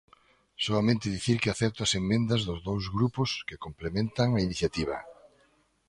Soamente dicir que acepto as emendas dos dous grupos que complementan a iniciativa.